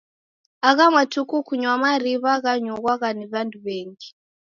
Agha matuku kunywa mariw'a ghanyughwa ni w'andu w'engi.